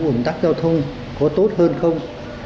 uống tắc giao thông có tốt hơn không